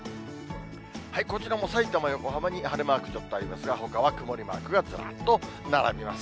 こちらもさいたま、横浜に晴れマークちょっとありますが、ほかは曇りマークがずらっと並びます。